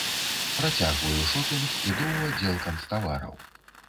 Працягваю шопінг, іду ў аддзел канцтавараў.